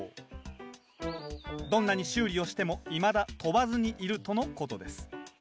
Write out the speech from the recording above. どんなに修理をしてもいまだ飛ばずにいるとのことです。